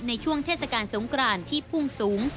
ในช่วงเทศกาลสงกรานที่พุ่งสูง